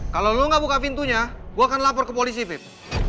kalau lo gak buka pintunya gue akan lapor ke polisi fip